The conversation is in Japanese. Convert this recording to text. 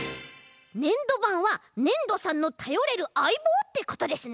ねんどばんはねんどさんのたよれるあいぼうってことですね！